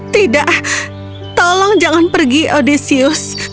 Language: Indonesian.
tidak tolong jangan pergi audisius